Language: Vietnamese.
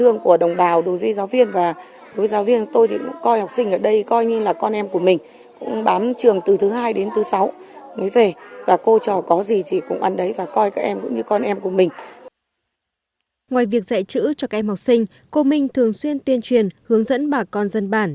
ngoài việc dạy chữ cho các em học sinh cô minh thường xuyên tuyên truyền hướng dẫn bà con dân bản